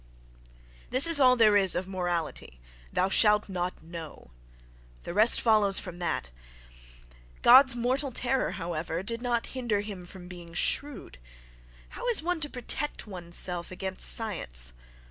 This is all there is of morality.—"Thou shall not know":—the rest follows from that.—God's mortal terror, however, did not hinder him from being shrewd. How is one to protect one's self against science?